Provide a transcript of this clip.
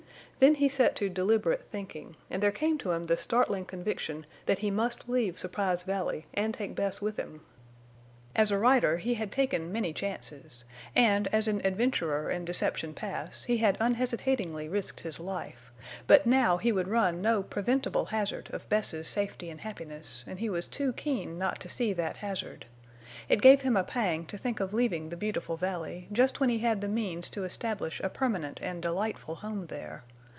Then he set to deliberate thinking, and there came to him the startling conviction that he must leave Surprise Valley and take Bess with him. As a rider he had taken many chances, and as an adventurer in Deception Pass he had unhesitatingly risked his life, but now he would run no preventable hazard of Bess's safety and happiness, and he was too keen not to see that hazard. It gave him a pang to think of leaving the beautiful valley just when he had the means to establish a permanent and delightful home there.